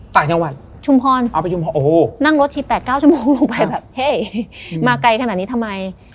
ต่างจากวัดชุมภรณ์นั่งรถที๘๙ชั่วโมงลงไปแบบเฮ้ยมาไกลขนาดนี้ทำไม